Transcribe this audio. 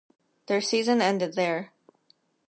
Their season ended there.